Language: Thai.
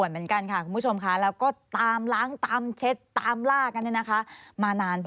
มันถูกไหม